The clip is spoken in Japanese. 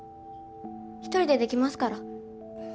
一人でできますから。